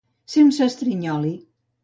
Ser un sastrinyoli.